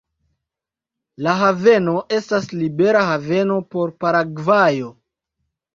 La haveno estas libera haveno por Paragvajo.